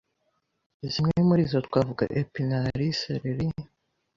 zimwe muri zo twavuga epinard, celeri